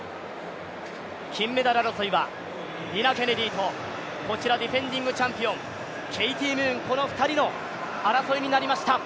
金メダル争いはニナ・ケネディとディフェンディングチャンピオン、ケイティ・ムーン、この２人の争いになりました。